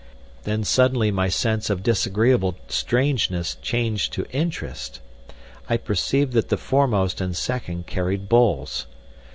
Then suddenly my sense of disagreeable strangeness changed to interest. I perceived that the foremost and second carried bowls.